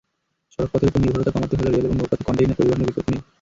সড়কপথের ওপর নির্ভরতা কমাতে হলে রেল এবং নৌ-পথে কনটেইনার পরিবহনের বিকল্প নেই।